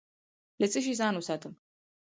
له څه شي ځان وساتم؟